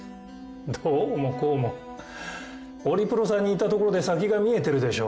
どうもこうもオリプロさんにいたところで先が見えてるでしょ。